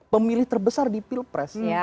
pemilih terbesar di pilpres